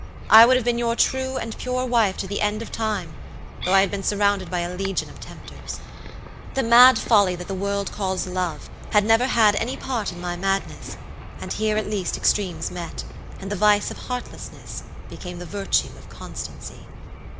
I would have been your true and pure wife to the end of time, though I had been surrounded by a legion of tempters. The mad folly that the world calls love had never had any part in my madness, and here at least extremes met, and the vice of heartlessness became the virtue of constancy.